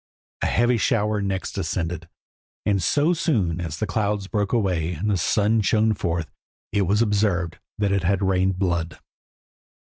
A heavy shower next descended, and so soon as the clouds broke away and the sun shone forth it was observed that it had rained blood.